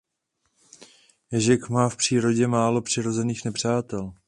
Ježek má v přírodě málo přirozených nepřátel.